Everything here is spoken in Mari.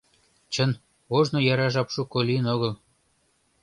Чын, ожно яра жап шуко лийын огыл.